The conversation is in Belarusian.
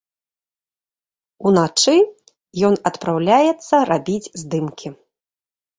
Уначы ён адпраўляецца рабіць здымкі.